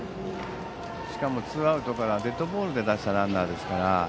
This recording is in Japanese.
しかもツーアウトからデッドボールで出したランナーですから。